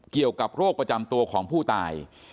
เกี่ยวกับโรคประจำตัวของผู้ตาย